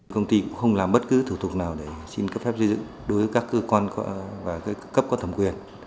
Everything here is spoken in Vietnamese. công ty cũng không làm bất cứ thủ tục nào để xin cấp phép xây dựng đối với các cơ quan và cấp có thẩm quyền